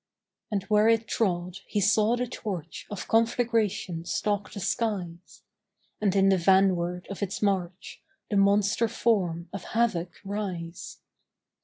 And where it trod he saw the torch Of conflagration stalk the skies, And in the vanward of its march The monster form of Havoc rise.